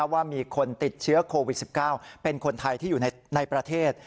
ว่ามีคนติดเชื้อโควิด๑๙เป็นคนไทยที่อยู่ในประเทศ